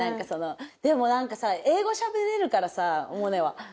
でも何かさ英語しゃべれるからさ萌音は。